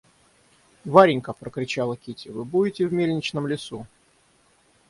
Варенька!— прокричала Кити, — вы будете в мельничном лесу?